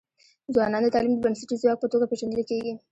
ځوانان د تعلیم د بنسټیز ځواک په توګه پېژندل کيږي.